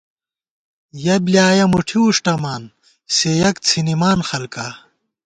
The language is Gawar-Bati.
یَہ بۡلیایَہ مُٹھی وُݭٹَمان سےیَک څھِنَمان خلکا